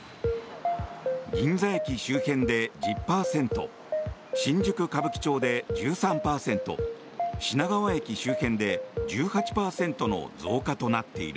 銀座駅周辺で１０％新宿・歌舞伎町で１３％品川駅周辺で１８％の増加となっている。